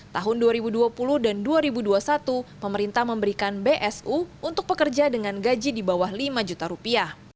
tahun dua ribu dua puluh dan dua ribu dua puluh satu pemerintah memberikan bsu untuk pekerja dengan gaji di bawah lima juta rupiah